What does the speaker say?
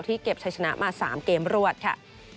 ที่เก็บชัยชนะมาสามเกมรวดค่ะ